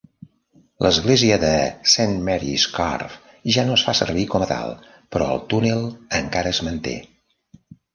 L'església de Saint Mary's Curve ja no es fa servir com a tal, però el túnel encara es manté.